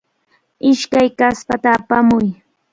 Ishkay kaspata apamuy.